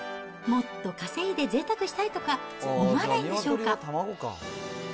もっと稼いでぜいたくしたいとか思わないんでしょうか。